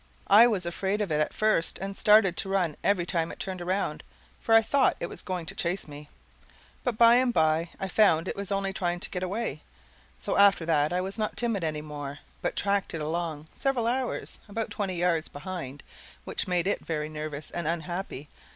I was afraid of it at first, and started to run every time it turned around, for I thought it was going to chase me; but by and by I found it was only trying to get away, so after that I was not timid any more, but tracked it along, several hours, about twenty yards behind, which made it nervous and unhappy.